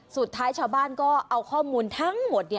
สุดท้ายชาวบ้านก็เอาข้อมูลทั้งหมด